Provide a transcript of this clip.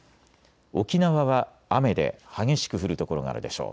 沖縄は雨で激しく降る所があるでしょう。